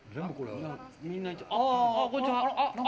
ああ、こんにちは。